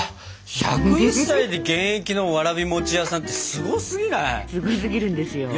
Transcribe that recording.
１０１歳で現役のわらび餅屋さんってすごすぎない？